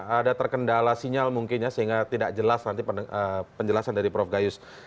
ada terkendala sinyal mungkin ya sehingga tidak jelas nanti penjelasan dari prof gayus